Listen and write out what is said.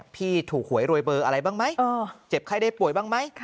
พี่ถูกหวยรวยเบอร์อะไรบ้างไหมเจ็บไข้ได้ป่วยบ้างไหม